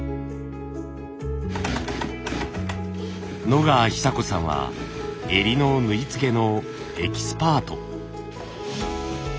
野川尚子さんは襟の縫い付けのエキスパート。